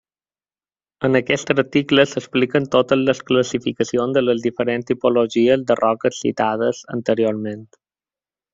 En aquest article s'expliquen totes les classificacions de les diferents tipologies de roques citades anteriorment.